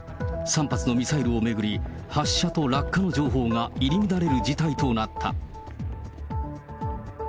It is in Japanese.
３発のミサイルを巡り、発射と落下の情報が入り乱れる事態となった。